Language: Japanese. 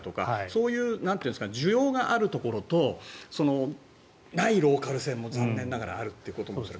そういう需要があるところとないローカル線も残念ながらあるということも。